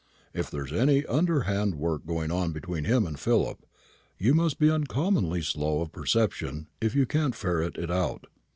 "If there is any underhand work going on between him and Philip, you must be uncommonly slow of perception if you can't ferret it out.